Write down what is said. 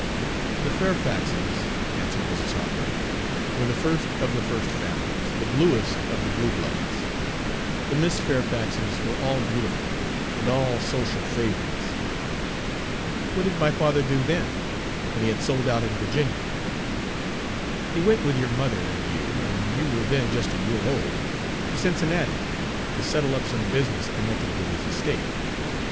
"The Fairfaxes," answered Mrs. Harper, "were the first of the first families, the bluest of the blue bloods. The Miss Fairfaxes were all beautiful and all social favorites." "What did my father do then, when he had sold out in Virginia?" "He went with your mother and you you were then just a year old to Cincinnati, to settle up some business connected with his estate.